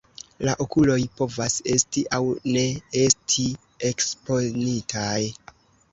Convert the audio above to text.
La okuloj povas esti aŭ ne esti eksponitaj.